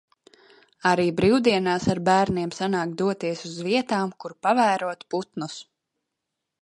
Arī brīvdienās ar bērniem sanāk doties uz vietām, kur pavērot putnus.